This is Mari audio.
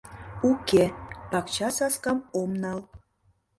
— Уке, пакча-саскам ом нал.